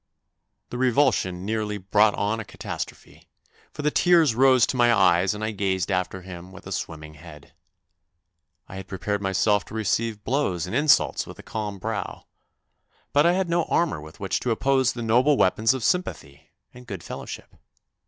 The revulsion nearly brought on a catastrophe, for the tears rose to my eyes and I gazed after him with a swimming head. I had prepared 56 THE NEW BOY myself to receive blows and insults with a calm brow, but I had no armour with which to oppose the noble weapons of sympathy and good fellowship.